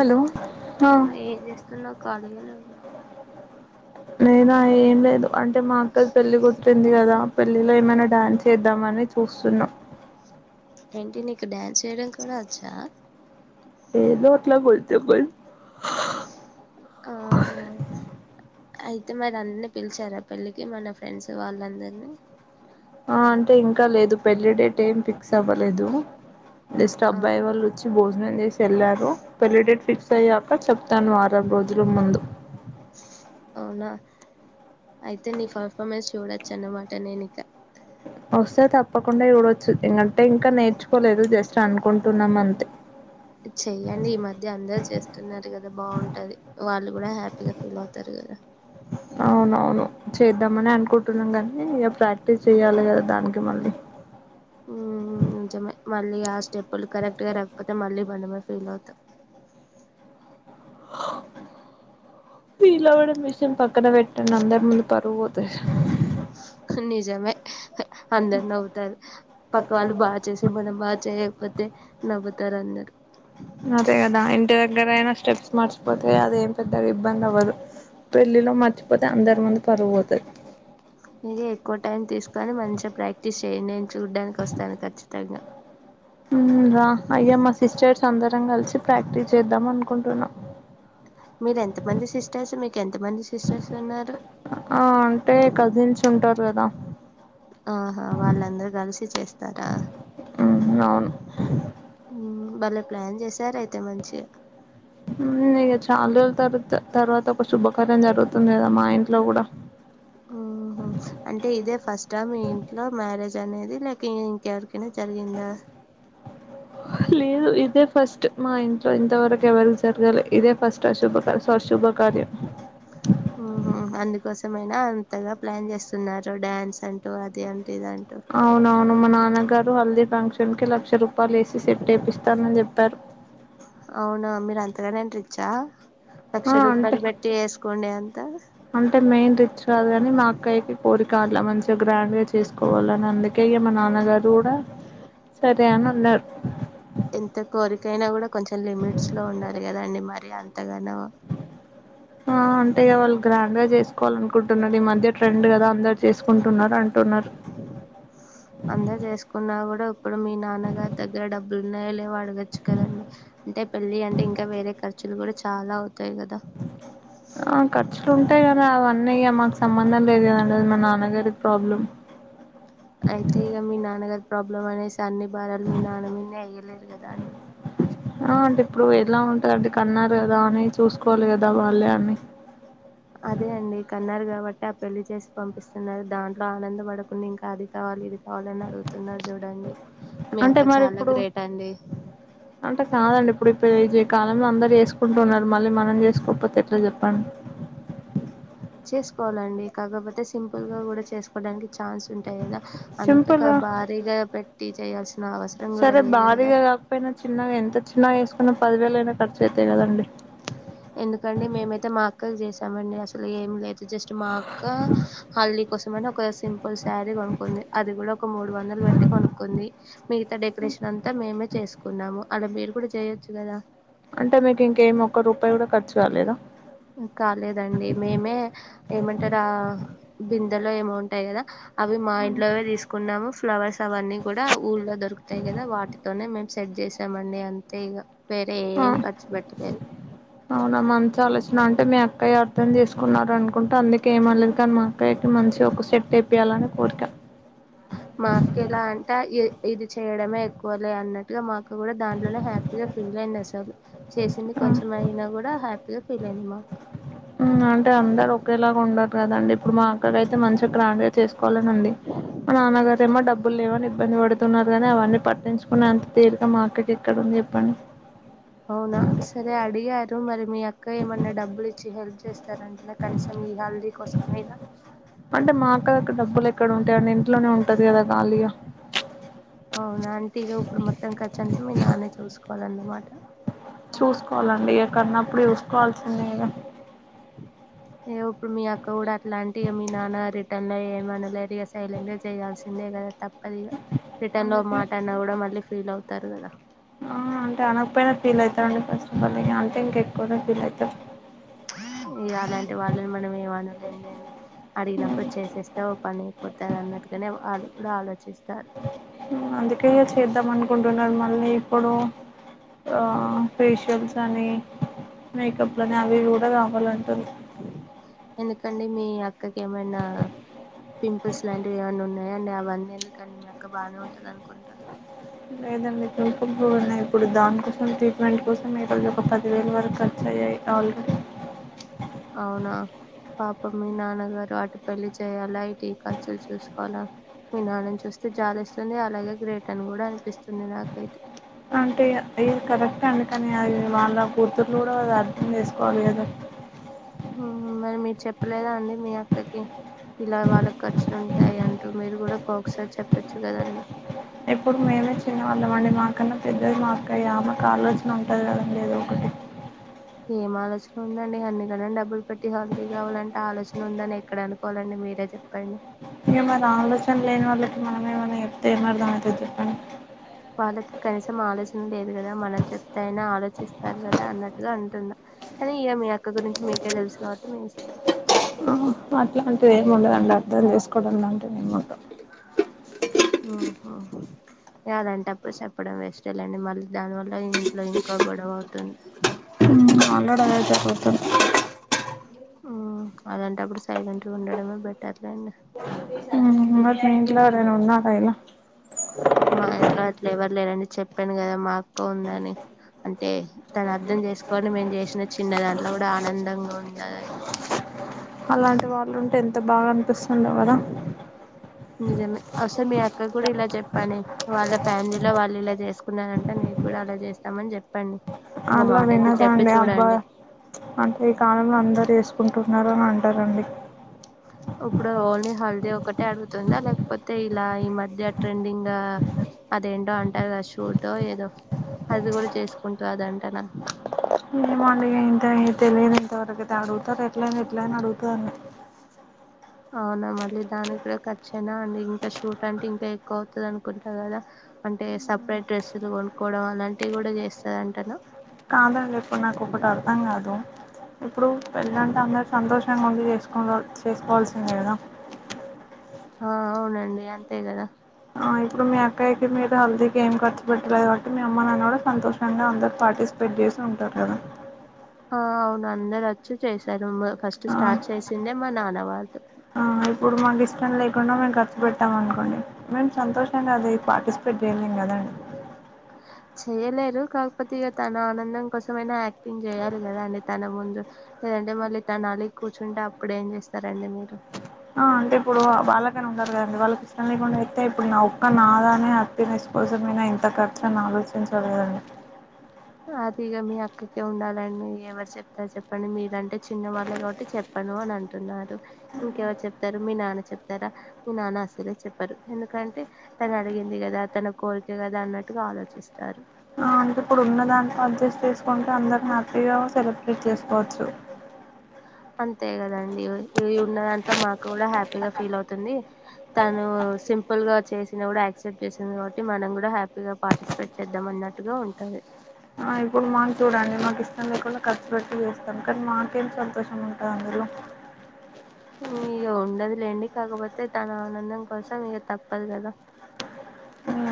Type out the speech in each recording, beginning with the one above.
లో ఆ ఏం చేస్తున్నావు ఖాళీగా య నేనా ఏం లేదు అంటే మా అక్కది పెళ్ళి గుర్తు చ్చింది కదా పెళ్ళిలో ఏమైనా డాన్స్ ఏద్దామని చూస్తున్నా ఏంటి నీకు డ్యాన్స్ ఏయడం కూడా ఓచ్చా ఏదో అట్లా కొంచం కొంచె ఆహా అయితే మరి అన్నీ పిలిచారా పెళ్ళికి మన ఫ్రెండ్స్ వాళ్ళందరినీ ఆ అంటే ఇంక లేదు పెళ్లి డేటు ఏం ఫిక్స్ అవ్వలేదు జస్టు ఆ అబ్బాయి వాళ్ళు ఓచ్చి బోన్ బోజం జెసి ఎళ్ళారు పెళ్లి డేట్ ఫిక్స్ అయ్యాక చెప్తాను వారం రోజుల ముందు అవునా అయితే నీ పర్ఫార్మెన్స్ చూడచ్చన్నమాట నేను ఇక వస్తే తప్పకుండా చూడొచ్చు ఎందంటే ఇంకా నేర్చుకోలేదు జస్ట్ అనుకుంటున్నామంతె చెయ్యండి ఈ మధ్య అందరు చేస్తున్నారు గదా బావుంటది వాళ్ళు కూడా హ్యాపీగా ఫీల్ అవుతారు గదా అవునవును చేద్దామని అనుకుంటున్నాం గనీ ఇక ప్రాక్టీస్ చెయాలే గదా దానికి మళ్ళీ ఉ ఉ నిజమే మళ్ళీ ఆసి స్టెప్పులు కరెక్ట్ గా రాకపోతే మల్లి మనమే పలత ఆ వీలువ్వడం విషయం పక్కన పెట్టండి అందరు ముందు పరువు పోతు [inaudible] నిజమే అందరు నవ్వుతారు పక్క వాళ్ళు బాగ చేసి మనం బాగ చేయకపోతే నవ్వుతారు అందరు అదే గదా ఇంటి దగ్గరయినా స్టెప్స్ మర్చిపోతే అది ఏం పెద్ద ఇబ్బంది అవ్వదు పెళ్ళిలో మర్చిపోతే అందరి ముందు పరువుఓతుంది మీర ఎక్కువ టైం తీసుకొని మంచిగా ప్రాక్టీస్ చేయండి నేను చూడ్డానికి ఓస్తాను ఖచ్చితంగ ఊ రా అయ్యా మా సిస్టర్స్ అందరం కలిసి ప్రాక్టీస్ చేద్దాం అనుకుంటున్నాం మీరు ఎంత మంది సిస్టర్స్ మీకు ఎంత మంది సిస్టర్స్ ఉన్నారు ఆ అంటే కజిన్స్ ఉంటరు [unintelligible] చెస్తారా ఉఅవును బలే ప్లాన్ చేశారు అయితే మంచిగ ఊ ఇగ చాలా రోజులు తరువాత తర్వాత ఒక శుభకార్యం జరుగుతుంది గదా మా ఇంట్ల నుకూడా ఉహ అంటే ఇదే ఫస్ట్ ట మీ ఇంట్లో మ్యారేజ్ ది లేక కరె కనా జరిగిందా లేదు ఇదే ఫస్ట్ మా ఇంట్లో ఇంతవరకు ఎవరికి జరగాలే ఇదే ఫస్ట్ అశుభ సుభకార్యం ఉహు అందుకోసమేనా అంతగా ప్లాన్ చేస్తున్నారు డ్యాన్స్ అంటూ అది అంటు అవునవును మా నాన్నగారు హల్దీ ఫంక్షన్ కి లక్ష రూపాయలు వేసి సేట్ వేపిస్తానని చెప్పారు అవునా మీరు అంతగానం రిచ్చా లక్ష ఆ అంటే రూపాయలు పెట్టి వేసుకోండి అంత అంటే మేము రిచ్చ్ కాదు కాని మా అక్కయికి కోరికలా మంచి మంచిగా గ్రాండ్ గా చేసుకోవాలని అందుకే ఇగా మా నాన్నగారు కూడా ఎంత కోరిక అయినా కూడా కొంచెం లిమిట్స్ లో ఉండాలి కదండి మరి అంత ఆ అంటే వాళ్ళు గ్రాండ్ గా చేసుకు కోవాలనుకుంటున్నారు ఈ మధ్య ట్రెండ్ కదా అందరూ చేసుకుంటున్నారు అంటూ అందరు చేసుకున్నా కూడా ఇప్పుడు మీ నాన్నగారి దగ్గర డబ్బులు ఉన్నాయోలేవో అడగొచ్చు కదండి అంటే పెళ్లి అంటే ఇంకా వేరే ఖర్చులు కూడా చాలా అవుతా అ ఖర్చులు ఉంటాయి కదా అవన్నీ అన్నయ్య మాకు సంబంధం లేదు కదండి మా నాన్నగారిక ప్రాబ్లం అయితే ఇగ మీ నాన్నగారి ప్రాబ్లమ్ అనేసి అన్ని భారాలు మీ నాన్న మీన్నే ఎయ్యలేరు గద్ రాండీ ఆ అంటే ఇప్పుడు ఎలా ఉంటాది అంటే. కన్నారు కదా అని చూసుకోవాలి కదా. వాళ్ళే అన్ని అదే అండి కన్నారు కాబట్టి ఆ పెళ్లి చేసి పంపిస్తున్నారు. దాంట్లో ఆనంద పడకుండా. ఇంకా అది కావాలి, ఇది కావాలి కావాలని అడుగుతున్నారు చూడండి. మీ అంటే అక్క మరి చాలా ఇప్పుడు గ్రేట్ అండి. అంటే కుంటున్నారు. మళ్ళీ మనం చేసుకోపోతే ఎట్లా చెప్పండి. చేసుకోవాలండి. కాకపోతే సింపుల్ గా కూడా చేసుకోవడానికి ఛాన్స్ ఉంటాయి గదా. అంతగా సింపుల్గా భారీగా పెట్టి చేస్ చేయల్స్ సరే భారీగా కాకపోయినా. చిన్నగా ఎంత చిన్నగా చేసుకున్నా పదివేలైన్ ఖర్చు అయితాయి కదండి. ఎందుకండి మేమైతే మా అక్కకు చేసామండి. అసల్ ఏం లేదు. జస్ట్ మా అక్క హల్ది కోసమని ఒక సింపుల్ సారీ కొనుక్కుంది. అది కూడా ఒక మూడు వందలు పెట్టి కొనుక్కుంది. మిగతా డెకరేషన్ అంతా మేమే చేసుకున్నాము. అలా మీరు కూడా చెయ్యొచ్చు గదా. అంటే మీకు ఇంకేమి ఒక్క రూపాయి కూడా ఖర్చ్ రాలేదా కాలేదండి. మేమే ఏమంటారా ఆ డిన్ ఇద్దర్లో ఏమొ ఉంటాయి గదా. అవి మా ఇంట్లోవే తీసుకున్నాము. ఫ్లవర్స్ అవన్నీ కూడా ఊళ్లో దొరుకుతాయి కదా. వాటితోనే మేమ్ సెట్ చేసామండి అంతే ఇగ వేరే ఆ ఏం ఖర్చు పెట్టలేదు. అవునా మంచి ఆలోచన. అంటే మీ అక్కయ్యా అర్థం చేసుకున్నారు అనుకుంట. అందుకే ఏమన్లేదు కానీ మా అక్కయకి మంచిగా ఒక స్టెప్పేపియాలని ఓక్ కోరిక. మా అక్కెలా అంట్ ఆ ఏ ఇది చేయడమే ఎక్కువలే అన్నట్టుగా మా అక్క కూడా దాంట్లోనే హ్యాపీగా ఫీల్ అయిందసలు. చేసింది ఆ కొంచెం అయినా గూడా హ్యాపీగా ఫీల్ అయింది మా అక్క. అంటే అందరు ఒకేలాగా ఉండర్ కదండి. ఇప్పుడు మా అక్కడ అయితే మంచిగా గ్రాండ్గా చేసుకోవాలనుంది. మా నాన్నగారేమో డబ్బులు లేవని ఇబ్బంది పడుతున్నారు. గాని అవన్నీ పట్టించుకునేంత తీరీక మా అక్కకేక్కడుంది చెప్పండి. అవునా సరే అడిగారు. మరి మీ అక్క ఏమన్నా డబ్బులు ఇచ్చి హెల్ప్ జ్ చేస్తారంటనా కనీసం ఈ హల్దీ కోసం అయినా. అంటే మా అక్క దగ్గర డబ్బులు ఎక్కడ ఉంటాయండి ఇంట్లోనే ఉంటది కదా కాలిగా అవునా. అంటీగా ఉప్పుడు మొత్తం ఖర్చ్ అంత మీ నానే చూసుక్ కోవాలన్నమాట చూసుకోవాలండి. ఇగ క్కన్నప్పుడు చూసుకోవాల్సిందే గదా. ఇగ ఉప్పుడు మీ అక్క కూడా అట్లా అంటిగా మీ నాన్న రిటర్న్ ల ఏమనలేరు. ఇక సైలెంట్ గా చేయాల్సిందే కదా. తప్ దిగా రిటర్న్ లో అందుకే మాట అన్నా కూడా మళ్ళీ ఫీల్ అవుతారు కదా. పని అంటే ఫీల్ అవుతారు ఇ అలాంటి వాళ్ళని మనం ఏమనలేం లేండి ఉమ్, అడిగినప్పుడు చేసేస్తే ఓ పని అయిపోతాది అన్నట్టుగానే ఆళ్ళు ఇవుడు ఆలోచిస్ అందుకే చేద్దాం అనుకుంటున్నారు మళ్ళీ ఇప్పుడు ఉ ఫేషియల్స్ అని మేకప్ అనీ ఇవి గుడ్ డా కావాలంటారు ఎందుకండి మీ అక్కకి ఏమైనా పింపుల్స్ లాంటివి ఏమన్నా ఉన్నాయా అండి అవన్నీ ఎందుకండి మీ అక్క బానే ఉంటది అనుకుంటా లేదండి [unintelligible] ఉన్నాయి ఇప్పుడు దానికికో అంతె దాని కోసమే [unintelligible] ఒక పదివేల వరకు అ ఆల్ రు అవునా పాపం మీ నాన్నగారు అటు పెళ్లి చేయాలా ఇటు ఈ ఖర్చులు చూసుకోవాలా మీ నాన్నని చూస్తే జాలేస్తుంది అలాగే గ్రేట్ అని గూడా అనిపిస్తుంది నాకైతే అంటే ఇది కరెక్టే అండి కానీ అ వాళ్ళ కూతుర్లు గుడా అర్దం చేసుకోవాలి గదా ఊహు మరి మీరు చెప్పలేదా అండి మీ అక్కకి ఇలా వాళ్ళ ఖర్చులు ఉంటాయి అంటూ మీరు గూడా కొ ఒక్కసారి చెప్పచ్చు గద అండి ఇప్పుడు మేమే చిన్నవాళ్ళం అండి మాకన్నా పెద్దది మా అక్క ఇగ ఆమెకు ఆలోచన ఉంటది గద లేదొ బొటిక్ ఏం ఆలోచన ఉందండి [unintelligible] డబ్బులు పెట్టి హల్ది గావాలంటే ఆలోచన ఉందని ఎక్కడ అనుకోవాలండి మీరే చెప్పండి ఇగ మరి ఆలోచన లేని వాళ్ళకి మనమ ఏమన్న చెప్తే ఏం అర్దమయితది జెప్పండి వాళ్ళకి కనీసం ఆలోచ వుండేది గదా మనం చెప్తేఅయినా ఆలోచిస్తాది గదా అన్నట్టుగా అంటున్న కానీ ఇగ మీ గురించి మీకే తెలుసు కాబట్టి మీ ఇష్టం ఆ అట్లాంటిది ఏమి ఉండదండి అర్దం చేసుకోవడం లాంటిది ఏమి ఉండదు ఊ హా హ ఇగ అలాంటప్పుడు చొప్పడం వేస్టే లేండి మళ్ళీ దాని వల్ల ఇంట్లో ఇంకా గొడవ అవుతుంది [unintelligible] మేమ్ ఆల్రెడీ అదె చెపుతున్న్ ఆ అలాంటప్పుడు సైలెంట్ గా ఉండడమే బెటర్ లేండి అవును ఇంగ [unintelligible] గాడ నేనున్నా హైలొ మా ఇంట్లో అట్లా ఎవరు లేరండి చెప్పాను గదా మా అక్క ఉందని అంటే తను అర్దం చేసుకోని మేము చేసిన చిన్నదాన్ లో గుడా ఆనందంగా ఉండాలని అలాంటి వాళ్ళు ఉంటే ఎంత బాగా అనిపిస్ నిజమే అసలు మీ అక్క కూడా ఇలా చెప్పాలి వాళ్ళ ఫ్యామిలీలో వాళ్ళు ఇలా చేసుకున్నారంటే నీకు కూడా అలా చేస్తామని చెప్పండి ఒక అలా మాట అయితే వినదా చెప్పి అండి అబ్బాయి చూడండి అంటే ఈ కాలంలో అందరు చేసుకుంటున్నారు ని అంటాదండి అప్పుడు ఓన్లీ హల్ అది ఒకటే అడుగుతుందా లేకపోతే ఇలా ఈ మధ్య ట్రెండింగ్ అదేంటో అంటారు కదా షూటో ఏదో అది కూడా చేసుకుంటాదంటన ఏమో అండి ఇంతయి తెలీదు ఇంత వర అ అడుగుతారు ఎట్ల అనా ఎట్ల అని అడుగుతా అవునా మళ్ళీ దానికి కూడా ఖర్చయినా అండ్ ఇంకా షూట్ అంటే ఇంకా ఎక్కువ అవుతుంది అనుకుంటారు కదా అంటే సపరేట్ డ్రెస్సులు కొనుక్కవడం అలాంటివి కూడా చూస్తాది అంటనా కాదండి ఎప్పుడు నాకు ఒకటి అర్థం కాదు ఇప్పుడు పెళ్ళంటే అందరు సంతోషంగా ఉండి చేసుకు అలో చేసుకోవాల్సిందే కదా ఆ అవునండి అంతే కదా ఇప్పుడు మీ అక్కయయికి మీరు హల్తీగా ఏం ఖర్చు పెట్టలేదు కాట్టి మీ అమ్మ నన్ను కూడా సంతోషంగా అందరు పార్టిసిపేట్ చేస్తారు ఉంటారు కదా ఆ అవును అందరు వచ్చి చేశారు ఫస్ట్ ఆ స్టార్ట్ చేసిందే మా నాన్న వళ్తో పెట్టామ అనుకోండి మేము సంతోషంగా అది పార్టిసిపేట్ చేయలేం కదండి చేయలేరు కాకపోతే ఇక తన ఆనందం కోసమైనా యాక్టింగ్ చేయ్యాలి కదా అండి తన ముందు లేదంటే మళ్ళీ తన అలిగి కూర్చుంటే అప్పుడు ఏం చేస్తారండి మీరు అంటే ఇప్పుడు వాళ్ళకనే ఉండారు కదండి వాళ్ళకి ఇష్టం లేకుండా అ యితే ఇప్పుడు నా ఒక్క నాదానే హ్యాపీనెస్ కోసమైనా ఇంత ఖర్చు అని ఆలోచించి కదండి అది ఇగ మీ అక్కకి ఉండాలని ఎవరు చెప్తారా చెప్పండి మీరుంటే చిన్న వాళ్ళు కాబట్టి చెప్పను అని అంటున్నారు ఇంకెవరు చెప్తారు మీ నాన్న చెప్తారా మీ నాన్న అసలే చెప్పరు ఎందుకంటే తను అడిగింది కదా తన కోరిక కదా అన్నట్టుగా ఆలోచిస్తారు ఆ అంటే ఇప్పుడు ఉన్న దాంట్లో అడ్జస్ట్ చేసుకుంటే అందరిని హ్యాపీగా సెలబ్రేట్ చేసుకోవచ్చు అంతే కదండి ఇవి ఉన్న దాంట్లో మాకు కూడా హ్యాపీగా ఫీల్ అవుతుంది తను సింపుల్ గా చేసిన కూడా యాక్సెప్ట్ చేసింది కాబట్టి మనం కూడా హ్యాపీగా పార్టిసిపేట్ చేద్దాం అన్నట్టుగా ఉంటాది ఇప్పుడు మాకు చూడండి మాకు ఇష్టం లేకుండా ఖర్చు పెట్టి చేస్తాం కానీ మాకేం సంతోషం ఉంటుంది అందులో ఇక ఉండదులేండి కాకపోతే తన ఆనందం కోసం ఇక తప్పదు కదా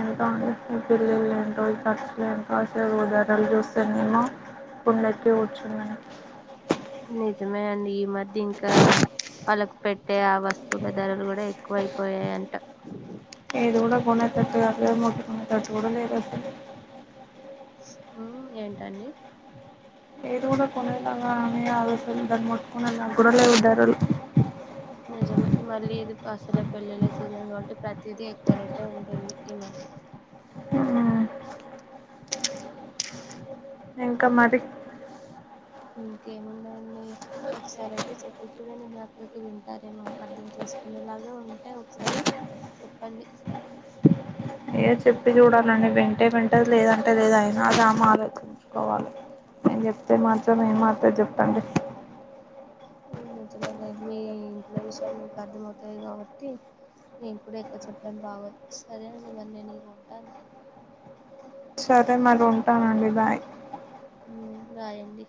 ఎంతో అంది ఈ పిల్లలు ఏంటో ఈ ఖర్చులు ఏంటో అసలు గోదారోల్లు చూస్తేనేమో కొండెక్కి కూర్చున్నారు నిజమే అండి ఈ మధ్య ఇంకా వాళ్ళకు పెట్టే ఆ వస్తువుల ధరలు కూడా ఎక్కువయిపోయాయింట తట్టు కలేదు మొట్టుకున్న తట్టు కూడా లేదు అసలు ఉమ్ ఏంటండి ఏది కూడా కొనేలాగా అనే ఆలోచలు దాన్ని మట్టుకొనే లాగా న కూడా లేవు ధరలు నిజమే మళ్ళీ ఇది పసల పెళ్లిిల సీజన్ కాబట్టి ప్రతిదీ ఎక్కువ రేటే ఉంటుంది ఈ మధ్య ఇంకా మరి ఇంకేమున్నాయండి ఒకసారి అయితే చెప్పి చూడండి మీ అక్కకి వింటారేమో అర్థం చేసుకునేలాగా ఉంటే ఒకసారి చెప్పండి ఏ చెప్పి చూడాలండి వింటే వింటేది లేదంటే లేదు అయినాదిమ ఆలోచించుకోవాలి నేను చెప్తే మాత్రం ఏ మాత్ర చెప్పండి నిజమే లే మీ ఇంట్లో విషయాలు మీకు అర్థమవుతాది కాబట్టి నేను కూడా ఎక్కువ చెప్పడం బాగోదు సరే అండి మరి నేను ఇక ఉంటాను సరే మరి ఉంటానండి బాయ్ ఉమ్ బాయండి